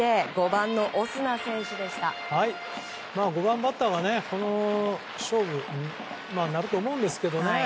５番バッターが勝負になると思うんですけどね。